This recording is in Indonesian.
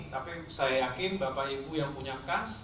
tapi saya yakin bapak ibu yang punya kans